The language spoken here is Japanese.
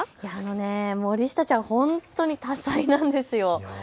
森下ちゃん、本当に多才なんですよ。